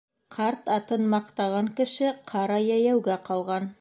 Ҡарт атын маҡтаған кеше ҡара йәйәүгә ҡалған.